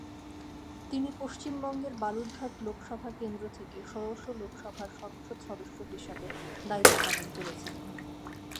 তিনি পশ্চিমবঙ্গের বালুরঘাট লোকসভা কেন্দ্র থেকে ষোড়শ লোকসভার সংসদ সদস্য হিসাবে দায়িত্ব পালন করেছিলেন।